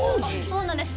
そうなんです